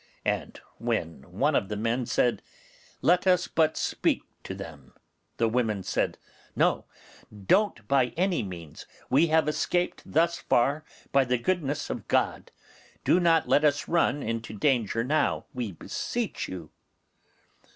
And when one of the men said, 'Let us but speak to them', the women said, 'No, don't by any means. We have escaped thus far by the goodness of God; do not let us run into danger now, we beseech you.